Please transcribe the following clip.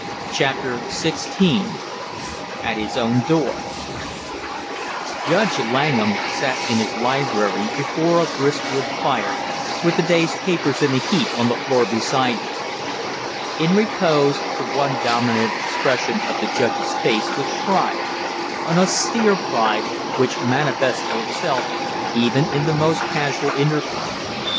CHAPTER SIXTEEN AT HIS OWN DOOR Judge Langham sat in his library before a brisk wood fire with the day's papers in a heap on the floor beside him. In repose, the one dominant expression of the judge's face was pride, an austere pride, which manifested itself even in the most casual intercourse.